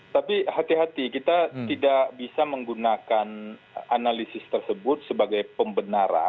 tapi hati hati kita tidak bisa menggunakan analisis tersebut sebagai pembenaran